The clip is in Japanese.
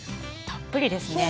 たっぷりですね。